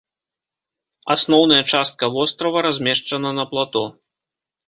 Асноўная частка вострава размешчана на плато.